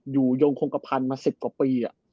อยู่ยงโครงกระพันธ์มา๑๐กว่าปี